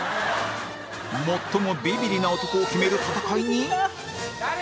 最もビビリな男を決める戦いに